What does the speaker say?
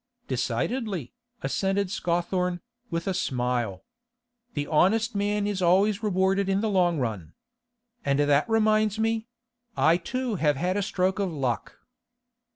'Decidedly,' assented Scawthorne, with a smile. 'The honest man is always rewarded in the long run. And that reminds me; I too have had a stroke of luck.